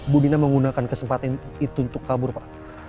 bu dina menggunakan kesempatan itu untuk kabur pak